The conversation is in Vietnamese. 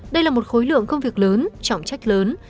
đây là một khối lượng công việc lớn trọng trách lớn